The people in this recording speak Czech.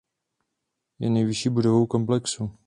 Je nejvyšší budovou komplexu.